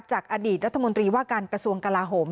จากอดีตรัฐมนตรีว่าการกระทรวงกลาโหม